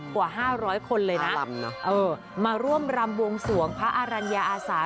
กว่า๕๐๐คนเลยนะมาร่วมรำบวงสวงพระอรัญญาอาสา